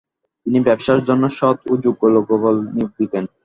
তিনি ব্যবসার জন্য সৎ ও যোগ্য লোকবল নিয়োগ দিতেন।